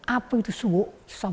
apa itu suwuk